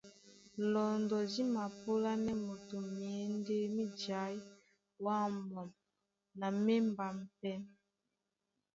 Lɔndɔ dí mapúlánɛ́ moto myěndé mí jaí ɓwâmɓwam na mí émbám pɛ́.